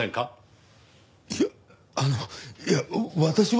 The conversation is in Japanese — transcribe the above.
いやあのいや私は。